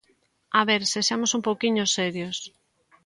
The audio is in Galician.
A ver, sexamos un pouquiño serios.